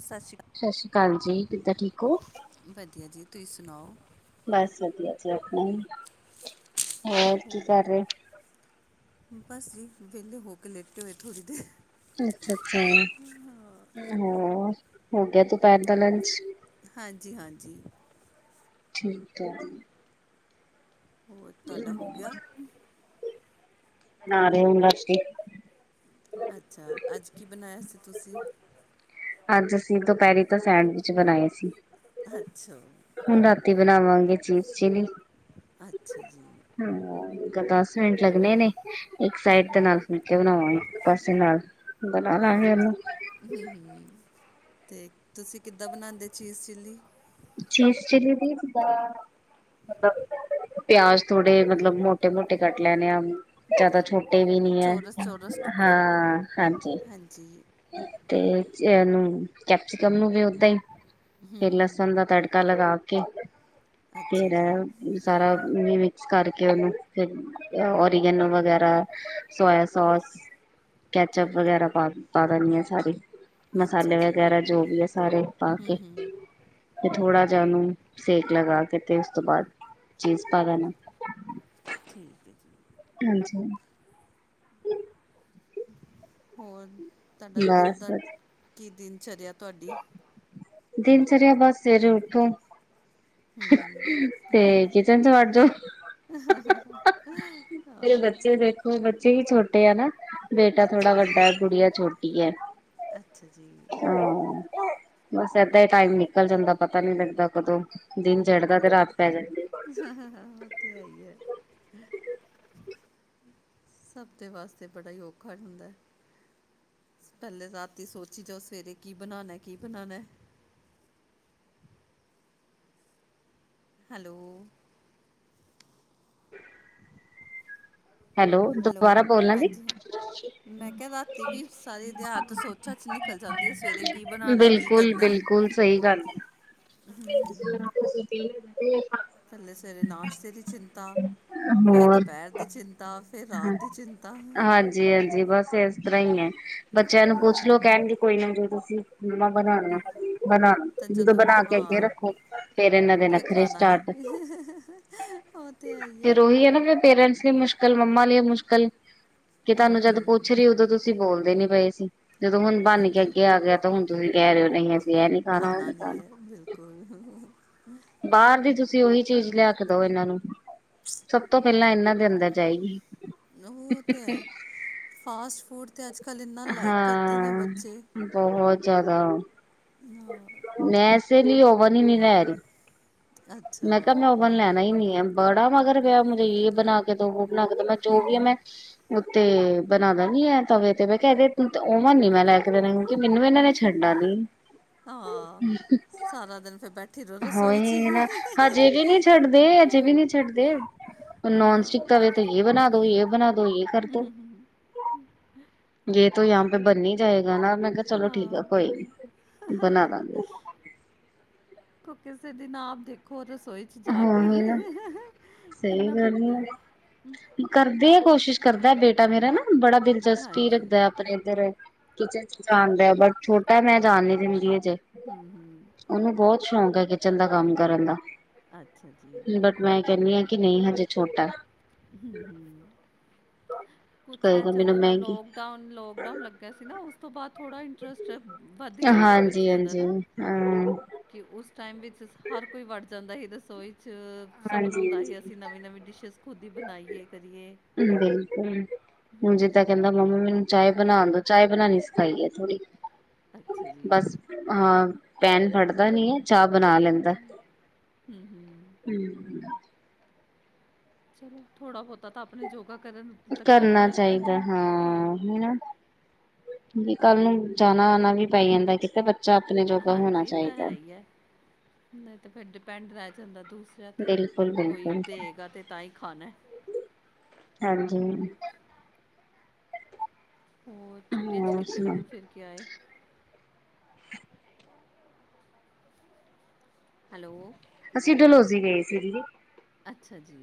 ਸਾਸੀ ਕਾਲ ਸਾਸੀ ਕਾਲ ਜੀ, ਕਿੱਦਾਂ ਠੀਕ ਓ? ਵਧੀਆ ਜੀ, ਤੁਸੀਂ ਸੁਣਾਓ? ਬਸ ਵਧੀਆ ਜੀ ਆਪਨਾ, ਹੋਰ ਕੀ ਕਰ ਰਹੇ? ਬਸ ਜੀ, ਵਿਹਲੇ ਹੋ ਕੇ ਲੇਟੇ ਹੋਏ, ਥੋੜ੍ਹੀ ਦੇਰ। ਅੱਛਾ-ਅੱਛਾ, ਹੋਰ ਹੋ ਗਿਆ ਦੁਪਹਿਰ ਦਾ ਲੰਚ। ਹਾਂਜੀ-ਹਾਂਜੀ। ਠੀਕ ਏ। ਹੋਰ, ਤੁਹਾਡਾ ਹੋ ਗਿਆ? ਬਣਾ ਰਹੇ ਬਸ ਜੀ। ਅੱਛਾ, ਅੱਜ ਕੀ ਬਣਾਇਆ ਸੀ ਤੁਸੀਂ? ਅੱਜ ਅਸੀਂ ਦੁਪਹਿਰੀ ਤਾ ਸੈਂਡਵਿਚ ਬਨਾਏ ਸੀ। ਅੱਛਾ ਹੁਣ ਰਾਤੀ ਬਣਾਵਾਂਗੇ ਚੀਜ਼ਚਿਲੀ ਅੱਛਾ ਜੀ ਹੂੰ ਦਸ ਮਿੰਟ ਲੱਗਣੇ ਨੇ ਇੱਕ ਸਾਈਡ ਤੇ ਨਾਲ ਫੁਲਕੇ ਬਣਾਵਾਂਗੇ, ਇੱਕ ਪਾਸੇ ਨਾਲ ਬਣਾ ਲਾਂਗੇ ਉਨੂੰ। ਹੂੰ-ਹੂੰ, ਤੇ ਤੁਸੀਂ ਕਿੱਦਾਂ ਬਣਾਂਦੇ ਚੀਜ਼ ਚਿੱਲੀ ਚੀਜਚਿਲੀ ਦੀ ਜਿਦਾ- ਮਤਲਬ ਪਿਆਜ ਥੋੜੇ ਮਤਲਬ ਮੋਟੇ-ਮੋਟੇ ਕੱਟ ਲੈਨੇ ਆ। ਜਾਦਾ ਛੋਟੇ ਵੀ ਨੀ ਐ। ਚੌਰਸ ਹਾਂ ਹਾਂਜੀ। ਜੀ। ਤੇ ਚ ਐਨੂੰ ਕੈਪਸੀਕਮ ਨੂੰ ਵੀ ਓਦਾਂ ਈ ਫੇਰ ਲਸਨ ਦਾ ਤੜਕਾ ਲਗਾ ਕੇ ਅੱਛਾ ਫੇਰ ਜੀ ਸਾਰਾ ਮਿ ਮਿਕਸ ਕਰਕੇ ਓਨੂੰ ਫੇਰ ਓਰੀਗੈਨੋ ਵਗੈਰਾ ਸੋਏਆ ਸੋਸ ਕੈਚਪ ਵਗੈਰਾ ਪਾ ਪਾ ਦੇਨੀ ਆਂ ਸਾਰੇ। ਅੱਛਾ ਮਸਾਲੇ ਜੀ ਵਗੈਰਾ ਜੋ ਵੀ ਆ ਸਾਰੇ ਪਾ ਕੇ। ਫੇਰ ਥੋੜਾ ਜਾ ਓਨੂੰ ਸੇਕ ਲਗਾ ਕੇ ਤੇ ਉਸ ਤੋਂ ਬਾਦ ਚੀਜ਼ ਪਾ ਦੇਨਾ। ਠੀਕ ਏ ਜੀ। ਹਾਂਜੀ। [unintelligible] ਹੋਰ, ਤਾਡਾ ਦਿਨ ਬਸ ਦਾ, ਕੀ ਦਿਨਚਰੇਆ ਤਾਡੀ। ਦਿਨਚਰੇਆ ਬੱਸ ਸਵੇਰੇ ਉਠੋ ਤੇ ਕਿਚਨ ਚ ਵੜਜੋ ਮੇਰੇ ਬੱਚੇ ਵੇਖੋ ਬੱਚੇ ਈ ਛੋਟੇ ਆ ਨਾ। ਬੇਟਾ ਥੋੜਾ ਅੱਛਾ ਜੀ ਵੱਡਾ, ਗੁੜੀਆ ਛੋਟੀ ਐ, ਅੱਛਾ ਜੀ ਹਾਂ। ਬਸ ਏਦਾਂ ਈ ਟਾਈਮ ਨਿਕਲ ਜਾਂਦਾ। ਪਤਾ ਨੀ ਲੱਗਦਾ ਕਦੋਂ ਦਿਨ ਚੜਦਾ ਤੇ ਰਾਤ ਪੈ ਜਾਂਦੀ। ਓ ਤੇ ਹੈ ਈ ਐ। ਸਭ ਦੇ ਵਾਸਤੇ ਬੜਾ ਈ ਔਖਾ ਹੁੰਦਾ ਐ। ਪੈਲੇ ਰਾਤੀ ਸੋਚੀ ਜਾਓ ਸਵੇਰੇ ਕੀ ਬਨਾਨਾ ਐ ਕੀ ਬਨਾਨੈ। ਹੈਲੋ। ਹੈਲੋ ਦੁਬਾਰਾ ਹੈਲੋ ਬੋਲਣਾ ਦੀ ਹਾਂਜੀ ਹਾਂ। ਮੈਂ ਕੇਆ ਰਾਤੀ ਵੀ ਸਾਰੇ ਦੇਆਤ ਸੋਚਾਂ ਚ ਨਿਕਲ ਜਾਂਦੀ ਐ। ਸਵੇਰੇ ਕੀ ਬਨਾਨਾ ਐ ਕੀ ਬਿਲਕੁਲ ਕਰਨੈ। ਬਿਲਕੁਲ ਸਈ ਗੱਲ। ਥੱਲੇ ਸਵੇਰੇ ਨਾਸ਼ਤੇ ਦੀ ਚਿੰਤਾ ਫੇਰ ਹੋਰ ਦਪੈਰ ਦੀ ਚਿੰਤ ਤਾ ਫੇਰ ਰਾਤ ਹਾਂ ਦੀ ਚਿੰਤਾ। ਹਾਂਜੀ ਹਾਂਜੀ, ਬਸ ਏਸ ਤਰਾਂ ਈ ਐ। ਬੱਚੇਆਂ ਨੂੰ ਪੁੱਛ ਲੋੋ ਕੈਣਗੇ ਕੋਈ ਨਾ ਜੋ ਤੁਸੀ ਮੰਮਾ ਬਨਾਲੋ। ਬਨਾ ਤਾਂ ਜਦੋਂ ਬਨਾ ਕੇ ਅੱਗੇ ਹਾਂ ਰੱਖੋ ਫੇਰ ਏਨਾਂ ਦੇ ਫਿਰ ਨਖਰੇ ਖਾਣਾ ਸਟਾਰਟ ਨਹੀਂ ਉਹ ਤੇ ਹੈ ਹੀ ਹੈ ਫੇਰ ਓਹੀ ਐ ਨਾ ਫੇਰ ਪੇਰੈਂਟਸ ਲਈ ਮੁਸ਼ ਕਲ ਮੰਮਾ ਲਈ ਮੁਸ਼ਕਲ ਕਿ ਤਾਨੂੰ ਜਦ ਪੁੱਛ ਰੀ ਉਦੋਂ ਤੁਸੀ ਬੋਲਦੇ ਨੀ ਪਏ ਸੀ। ਜਦੋਂ ਹੁਨ ਬਨ ਕੇ ਹਾਂਜੀ ਅੱਗੇ ਆ ਗੇਆ ਤਾਂ ਹੁਨ ਤੁਸੀ ਕੈ ਰੇ ਓ ਨਈ ਅਸੀ ਐ ਨੀ ਖਾਣਾ ਉਹ ਖਾਨਾ ਨੀ ਐ, ਬਿਲਕੁਲ। ਬਾਰ ਦੀ ਤੁਸੀ ਓਈ ਚੀਜ ਲਿਆ ਕੇ ਦੋ ਏਨਾਂ ਨੂੰ। [unintelligible] ਸਭ ਤੋਂ ਪੇਲਾਂ ਏਨਾਂ ਦੇ ਅੰਦਰ ਜਾਏਗੀ। ਓਹ ਤੇ ਹੈ। ਫਾਸਟ ਫੂਡ ਤੈ ਅੱਜ ਕੱਲ ਇੰਨਾ ਲਾਈਕ ਕਰਦੇ ਨੇ ਬੱਚੇ ਬੋਹਤ ਜਾਦਾ। ਹਾਂ। ਮੈ ਐਸੇਲੀ ਔਵਨ ਈ ਨੀ ਲੈਰੀ ਅੱਛਾ ਮੈਂ ਕੈ ਮੈਂ ਓਵਨ ਲੈਨਾ ਈ ਨੀ ਐ। ਬੜਾ ਮਗਰ ਪੇਆ ਮੁਝੇ ਯੇ ਬਨਾ ਕੇ ਦੋੋ, ਵੋ ਬਨਾ ਕੇ ਦੋ। ਮੈਂ ਜੋ ਵੀ ਐ ਮੈਂ ਓ ਤੇ ਬਨਾਦਾ ਨੀ ਐ ਤਵੇ ਤੇ। ਮੈਂ ਕੈ ਓਵਨ ਨੀ ਮੈਂ ਲੈ ਕੇ ਕਿ ਮੈਨੂੰ ਏਨਾਂ ਨੇ ਛੱਡਨਾ ਨੀ। ਹਾਂ ਸਾਰਾ ਦਿਨ ਫੇਰ ਬੈਠੀ ਰੋ ਰਸੋਈ ਚ ਈ। ਟਡਦੇ ਅਜੇ ਵੀ ਨੀ ਛੱਡਦੇ। ਨੋਨ ਹਾਂ ਸਟਿਕ ਤਵੇ ਤੇ ਯੇ ਬਨਾ ਦੋ ਯੇ ਬਣਾ ਦੋ। ਤੋਂ ਯੇ ਕਰ ਤੂੰ, ਯੇਹ ਤੋ ਯਹਾਂ ਪੇ ਬਨੀ ਜਾਏਗਾ ਨਾ, ਮੈਂ ਕਿਹਾ ਚਲੋ ਠੀਕ ਆ ਹਾਂ ਕੋਈ ਨੀ, ਬਨਾ ਦਾਂਗੇ [unintelligible] ਨਾਪ ਦੇਖੋ ਰਸੋਈ- ਜਾ ਕੇ, ਹੀ ਕਿਨਾ ਬੰਦੇ ਕਰਦੇ ਐ ਕੋਸ਼ਿਸ਼ ਕਰਦਾ ਬੇਟਾ ਮੇਰਾ ਨਾ ਬੜਾ ਦਿਲਚਸਪੀ ਹਾਂਜੀ ਰੱਖਦੇ ਅਪਨੇ ਏਧਰ ਕਿਚਨ ਚ ਜਾਦੇ, ਬਟ ਛੋਟ ਮੈ ਜਾਨ ਨੀ ਦਿਂਦੀ ਹਜੇ ਹੂੰ ਹੂੰ ਉਹਨੂੰ ਬੋਹਤ ਸ਼ੋਕ ਹੈ, ਕਿਚਨ ਦਾ ਕੰਮ ਕਰਨ ਦਾ- ਅੱਛਾ ਜੀ- ਮੈ ਕਹਿਨੀ ਆ ਕਿ ਨਹੀ ਹਜੇ ਛੋਟਾ- ਹੂੰ- ਹੂੰ- ਕੁਛ ਹੈ ਕਹੇਗਾ ਮੈਨੂੰ ਜਦੋ ਦਾ ਮਹਿੰਗੀ ਲੋਕ ਡਾਊਨ ਲੋਕਡਾਊਨ ਲਗਿਆ ਸੀ ਨਾ ਉਸ ਤੋ ਬਾਅਦ ਥੋੜਾ ਇੰਟਰਸਟ- ਵੱਧ ਗਿਆ ਸੀ ਹਾਂਜੀ ਬੱਚਿਆਂ ਦਾ ਹਾਂਜੀ ਨਾ- ਹਾਂ ਕਿ ਉਸ ਟਾਈਮ ਵਿਚ ਹਰ ਕੋਈ ਵੜ ਜਾਦਾ ਸੀ ਰਸੋਈ ਚ ਸਭ ਨੂੰ ਹੁੰਦਾ ਹੀ ਅਸੀ ਨਵੀ- ਨਵੀ ਡਿਸ਼ਿਸ ਖੁਦ ਹੀ ਬਨਾਈਏ ਕਰੀਏ ਬਿਲਕੁਲ, ਹੁਨ ਹੂੰ, ਜਿੱਦਾਂ ਕਹਿੰਦਾ ਮੰਮੀ ਮੈਨੂੰ ਚਾਏ ਬਨਾਨ ਦੋ ਚਾਏ ਬਨਾਨੀ ਸਿਖਾਈ ਏ ਥੋੜੀ, ਅੱਛਾ ਜੀ। ਬਸ ਹ ਪੈਨ ਪੜਦਾ ਨੀ ਏ, ਚਾਹ ਬਨਾ ਲੈਂਦੇ ਹੂੰ- ਹੂੰ- ਹ ਚਲੋ ਥੋੜ੍ਹਾ ਬੋਹਤਾ ਤਾਂ ਆਪਨੇ ਜੋਗਾ ਕਰਨ- ਤਾਂ ਕਰ ਹੀ ਕਰਨਾ ਲੈਂਦਾ ਚਾਹੀਦੇ ਹੈ। ਹਾਂ, ਹੇਨਾ- ਵੀ ਕੱਲ ਨੂੰ ਜਾਨਾ ਆਨਾ ਵੀ ਪੈ ਜਾਦੇ ਕਿਤੇ ਬੱਚਾ ਅਪਨੇ ਜੋਗਾ ਹੋਨਾ ਚਾਹੀਦੇ ਨਈ ਤੇ ਫਿਰ ਡਿਪੈਂਡ ਰਹਿ ਜਾਦੇ ਦੂਸਰਿਆਂ ਤੇ, ਬਿਲਕੁਲ ਕੋਈ ਬਿਲਕੁਲ ਦੇਗਾ ਤੇ ਤਾਂ ਈ ਖਾਨੇ ਹਾਂਜੀ- ਹੋਰ ਛੁੱਟੀਆਂ ਚ ਹੋਰ ਕਿਥੇ ਸੁਣਾਓ? ਘੁੰਮ ਫਿਰ ਕੇ ਆਏ- ਹੈਲੋ ਅਸੀ ਡਲੋਜ਼ੀ ਗਏ ਸੀ, ਦੀਦੀ ਅੱਛਾ ਜੀ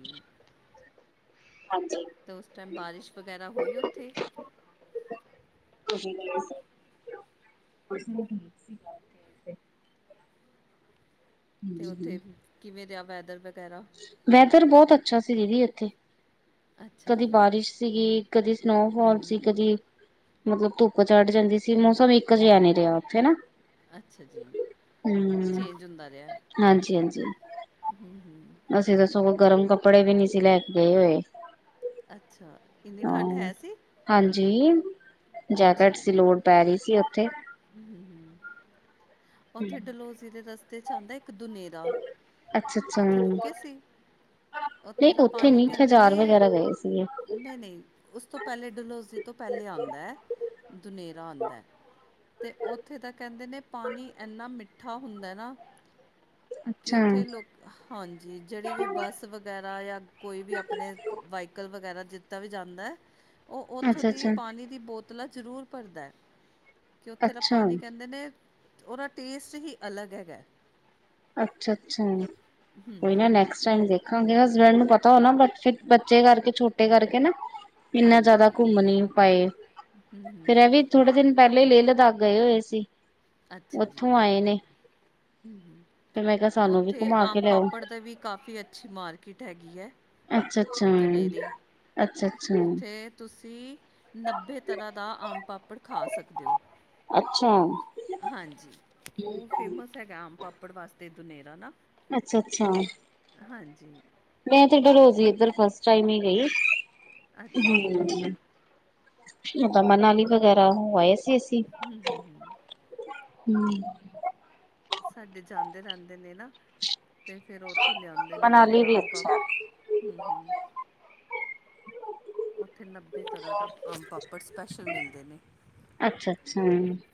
ਹਾਂਜੀ ਤੇ ਉਸ ਟਾਈਮ ਬਾਰਿਸ਼ ਵਗੈਰਾ ਹੋਈ ਉਥੇ? [inaudible] ਤੇ ਉਥੇ ਕਿਵੇ ਰੇਆ ਵੈਦਰ ਵਗੈਰਾ ਵੈਦਰ ਬੋਹਤ ਅੱਛਾ ਸੀ ਦੀਦੀ ਏਥੇ ਅੱਛਾ ਕਦੀ ਜੀ, ਬਾਰਿਸ਼ ਸੀਗੀ, ਕਦੀ ਸਨੋਫੋਲ ਹੂੰ, ਸੀ ਕਦੀ ਮਤਲਬ ਧੁੱਪ ਚੜ ਜਾਂਦੀ ਸੀ, ਮੋਸਮ ਇਕ ਜੇਹਾ ਨਹੀ ਰਿਹਾ ਉਥੇ ਨਾ ਅੱਛਾ ਜੀ, ਹੂੰ, ਹਾਂਜੀ- ਹਾਂਜੀ ਹੂ ਹੂ ਅਸੀ ਦੱਸੋ ਕੋਈ ਗਰਮ ਕੱਪੜੇ ਵੀ ਨੀ ਸੀ ਲੈ ਕੇ ਗਏ ਹੋਏ ਅੱਛਾ, ਇਨੀ ਠੰਡ ਹਾਂ। ਹੈਸੀ? ਹਾਂਜੀ, ਜੈਕਟਸ ਦੀ ਲੋੜ ਪੈ ਰਈ ਸੀ ਉਥੇ ਹੂ ਹੂ, ਉਥੇ ਡਲੋਜ਼ੀ ਦੇ ਰਸਤੇ ਚ ਆਂਦੇ ਇਕ ਦੁਨੇਲ ਦਾ, ਅੱਛਾ ਅੱਛਾ ਉਥੇ ਰੁਕੇੇ ਨਹੀਂ ਸੀ? ਉਥੇ ਦਾ ਉੱਥੇ ਪਾਨੀ ਨੀ ਕਹਿਦੇ ਖਜਾਰ ਨੇ ਵਗੈਰਾ ਗਏ ਸੀਗੇ ਨਹੀ-ਨਹੀ ਉਸ ਤੋ ਪਹਿਲੇ ਡੁਲੌਜ਼ੀ ਤੋ ਪਹਿਲੇ ਆਂਦੇ ਦੁਨੇਰਾ ਆਦੇ ਤੇ ਉਥੇ ਤਾਂ ਕਹਿਦੇ ਨੇ ਪਾਨੀ ਏਨਾ ਮਿਠਾ ਹੁੰਦਾ ਨਾ ਕਿ ਅੱਛਾ ਉਥੇ ਲੋਕ ਹਾਂਜੀ, ਜੇੜੀ ਵੀ ਬੱਸ- ਤ ਵਗੈਰਾ ਜਾਂ ਕੋਈ ਵੀ ਆਪਨੇ ਵਾਈਕਲ ਵਗੈਰਾ ਜਿਦਾ ਵੀ ਜਾਂਦਾ ਏ। ਓ, ਉਥੋ ਅੱਛਾ ਅੱਛਾ ਦੀ ਪਾਨੀ ਦੀ ਬੋਤਲਾ ਜਰੂਰ ਭਰਦਾ। ਕਿ ਉਥੇ ਦਾ ਅੱਛਾ ਪਾਨੀ ਕਹਿਦੇ ਨੇ, ਉਦਾ ਟੇਸਟ ਹੀ ਅਲਗ ਹੈਗਾ। ਅਛਾ, ਅਛਾ ਹੂੰ ਕੋਈ ਹੂੰ ਨਾ ਨੈ- ਨੈਕਸ ਟਾਈਮ ਦੇਖਾਗੇ, ਹਸਬੈਂਡ ਨੂੰ ਪਤਾ ਹੋ ਨਾ, ਬਟ ਫਿਰ ਬੱਚੇ ਕਰਕੇ ਛੋਟੇ ਕਰਕੇ ਨਾ- ਏਨਾ ਜੇਆਦਾ ਹਾਂਜੀ ਘੁੰਮ ਨੀ ਪਾਏ, ਹੂੰ ਫੇਰ ਹੂੰ ਏ ਵੀ- ਥੋੜੇ ਦਿਨ ਪਹਿਲੇ ਈ, ਲੇਹ ਲਦਾਖ ਗਏ ਹੋਏ ਸੀ। ਅੱਛਾ ਜੀ, ਉੱਥੋਂ ਆਏ ਨੇ ਹੂੰ ਫਿਰ ਮੈਂ ਕਿਹਾ ਸਾਨੂੰ ਵੀ ਉੱਥੇ ਘੁਮਾ ਕੇ ਆਮ ਲਿਆਓ ਪਾਪੜ ਦੇ ਵੀ ਕਾਫ਼ੀ ਅੱਛੀ ਮਾਰਕੀਟ ਹੈਗੀ ਏ। ਅੱਛਾ, ਅੱਛਾ, ਅ ਉੱਥੇ ਤੁਸੀਂ ਨੱਬੇ ਤਰ੍ਹਾਂ ਦਾ ਆਮ ਪਾਪੜ ਖਾ ਸਕਦੇ ਓ। ਅੱਛਾ। ਹਾਂਜੀ, ਓ ਫੇਮਸ ਹੈਗਾ ਆਮ ਪਾਪੜ ਵਾਸਤੇ ਦੁਨੇਰਾ ਨਾ। ਅੱਛਾ, ਅੱਛਾ ਹਾਂਜੀ ਮੈਂ ਤੇ ਡਲੋਜੀ ਏਧਰ ਫਸਟ ਟਾਈਮ ਈ ਗਈ। ਅੱਛਾ ਜੀ ਹੂੰ, ਮਤਲਬ ਮਨਾਲੀ ਵਗੈਰਾ ਹੋ ਆਏ ਸ ਚੇ ਸੀ, ਹੂੰ ਹੂੰ ਹੂੰ ਹੂੰ ਸਾਡੇ ਜਾਂਦੇ ਰਹਿੰਦੇ ਨੇ ਨਾ, ਤੇ ਫੇਰ ਉੱਥੋਂ ਲਿਆਂਦੇ ਨੇ, ਉੱਥੇ ਮਨਾਲੀ ਦਾ ਵੀ ਆਮ ਪਾਪ ਅੱਛਾ ਹੈ। ਹੂੰ, ਹੂੰ ਉੱਥੇ ਨੱਬੇ ਤਰ੍ਹਾਂ ਦਾ ਆਮ ਪਾਪੜ ਸਪੈਸ਼ਲ ਮਿਲਦੇ ਨੇ। ਅੱਛਾ-ਅੱਛਾ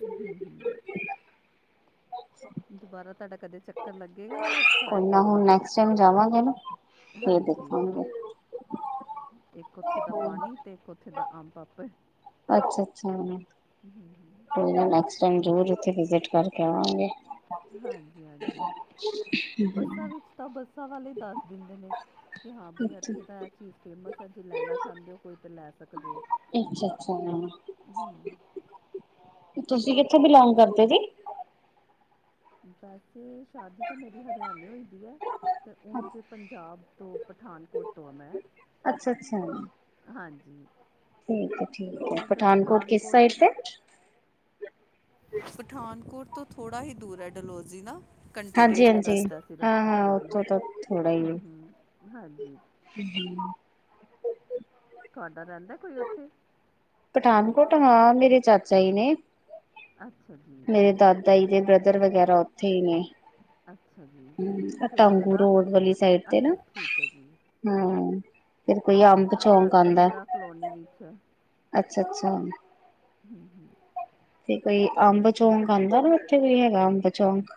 ਹੂੰ, ਹੂੰ ਦੁਬਾਰਾ ਤਾਡਾ ਕਦੇ ਚੱਕਰ ਲੱਗੇਗਾ, ਟਰਾਏ ਕਰਨਾ। ਚਲੋ ਜਾਵਾਂਗੇ ਨਾ ਫੇਰ ਹਾਂਜੀ, ਦੇਖਾਂਗੇ। ਏਕ ਉੱਥੇ ਦਾ ਪਾਨੀ ਤੇ ਏਕ ਉੱਥੇ ਦਾ ਅੰਬ ਪਾਪੜ। ਅੱਛਾ, ਅੱਛਾ। ਹੂੰ, ਹੂੰ ਨੈਕਸ ਟਾਈਮ ਜਰੂਰ ਉੱਥੇ ਵਿਜਿਟ ਕਰਕੇ ਆਵਾਂਗੇ। ਹਾਂਜੀ -ਹਾਂਜੀ। ਹ। [inaudible] ਬੱਸਾਂ ਵਿੱਚ ਤਾਂ ਬੱਸਾਂ ਵਾਲੇ ਦੱਸ ਦਿੰਦੇ ਨੇ, ਕਿ ਹਾਂ ਬਈ ਇੱਥੇ ਤਾਂ ਏ ਚੀਜ਼ ਫੇਮਸ ਏ, ਜੇ ਲੈਨਾ ਚਾਹੁੰਦੇ ਓ, ਕੋਈ ਤੇ ਲੈ ਸਕਦੇ ਓ? ਅੱਛਾ, ਅੱਛਾ ਤੁਸੀਂ ਕਿੱਥੇ ਬਿਲੋਂਗ ਕਰਦੇ ਜੇ ਵੈਸੇ, ਸ਼ਾਦੀ ਤਾਂ ਮੇਰੀ ਹਰਿਆਨੇ ਹੋਈ ਦੀ ਏ, ਤੇ ਓਂਜ ਪੰਜਾਬ ਤੋਂ ਪਠਾਨਕੋਟ ਤੋਂ ਆਂ ਮੈਂ ਅੱਛਾ, ਅੱਛਾ। ਹਾਂਜੀ। ਠੀਕ ਏ, ਠੀਕ ਏ, ਤੇ ਉਹ ਫਿਰ ਪਠਾਨਕੋਟ ਕਿਸ ਸਾਈਡ ਤੋਂ ਤੇ ਪਠਾਨਕੋਟ ਤੋਂ ਥੋੜ੍ਹਾ ਹੀ ਦੂਰ ਐ ਡਲੋਜ਼ੀ ਨਾ। ਘੰਟੇ- ਡੇਢ ਦਾ ਹਾਂਜੀ-ਹਾਂਜੀ ਰਸਤਾ ਏ ਸਿਰਫ ਹਾਂ-ਹਾਂ ਹਾਂਜੀ- ਉੱਥੋਂ ਤਾਂ ਥੋੜਾ ਹੂੰ, ਹੀ ਹੂੰ, ਹਾਂਜੀ। [unintelligible] ਤਾਡਾ ਰਹਿੰਦਾ ਕੋਈ ਉੱਥੇ? ਪਠਾਨਕੋਟ ਹਾਂ, ਮੇਰੇ ਚਾਚਾ ਜੀ ਨੇ। ਅੱਛਾ ਜੀ। ਮੇਰੇ ਦਾਦਾ ਜੀ ਦੇ ਬ੍ਰਦਰ ਵਗੈਰਾ ਉੱਥੇ ਈ ਨੇ। ਅੱਛਾ ਜੀ ਹਮ ਅ ਕਿਹੜੀ ਟਾਂਗੂ ਜਗ੍ਹਾ ਰੋਡ ਵਾਲੀ ਸਾਈਡ ਤੇ ਨਾ ਅੱਛਾ ਠੀਕ ਹੈ ਜੀ ਹਮ ਫਿਰ ਕੋਈ ਅੰਬ ਦਾ ਸਾਡਾ ਚੌਂਕ ਆਂਦਾ ਇੰਦਰਾ ਕਲੋਨੀ ਏ। ਵਿੱਚ ਹੈ ਅੱਛਾ-ਅੱਛਾ। ਹਮ-ਹਮ। ਤੇ ਕੋਈ ਅੰਬ ਚੌਂਕ ਆਉਂਦਾ ਨਾ, ਉੱਥੇ ਕੋਈ ਹੈਗਾ ਅੰਬ ਚੌਂਕ।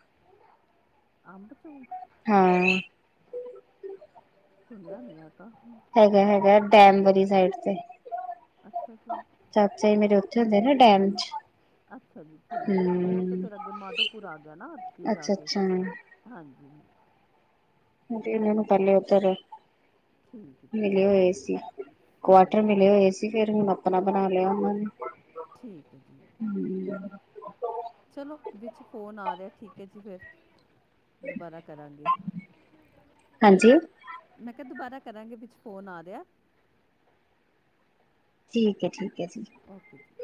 ਅੰਬ ਚੌਂਕ? ਹਾਂ। ਸੁਣਿਆ ਨਹੀਂ ਆ ਤਾਂ ਹਾਂ। ਹੈਗਾ-ਹੈਗਾ ਡੈਮ ਵਾਲੀ ਸਾਈਡ ਤੇ। ਅੱਛਾ ਜੀ। ਚਾਚਾ ਜੀ ਮੇਰੇ ਉੱਥੇ ਹੁੰਦੇ ਨਾ ਡੈਮ ਚ। ਅੱਛਾ ਜੀ ਠੀਕ ਹੈ। ਉਹ ਤੇ ਹਮ ਫੇਰ ਅੱਗੇ ਮਾਧੋਪੁਰ ਆ ਗਿਆ ਨਾ ਅੱਗੇ ਜਾ ਅੱਛਾ ਕੇ। ਅੱਛਾ ਹਾਂਜੀ। [unintelligible] ਠੀਕ ਹੈ, ਮਿਲੇ ਠੀਕ ਹੈ। ਹੋਏ ਸੀ, ਕੁਆਟਰ ਹਾਂਜੀ ਮਿਲੇ ਹਾਂਜੀ ਹੋਏ ਸੀ। ਫੇਰ ਹੁਣ ਆਪਣਾ ਬਣਾ ਲਿਆ ਉਹਨਾਂ ਨੇ। ਠੀਕ ਹੈ ਜੀ। [unintelligible] [inaudible] ਚਲੋ ਵਿੱਚ ਫ਼ੋਨ ਆ ਰਿਹਾ, ਠੀਕ ਹੈ ਜੀ ਫਿਰ। ਦੁਬਾਰਾ ਕਰਾਂਗੇ। ਹਾਂਜੀ ਮੈਂ ਕਿਹਾ ਦੁਬਾਰਾ ਕਰਾਂਗੇ, ਵਿੱਚ ਫੋਨ ਆ ਰਿਹਾ। ਠੀਕ ਹੈ, ਠੀਕ ਹੈ ਜੀ। ਓਕੇ ਜੀ।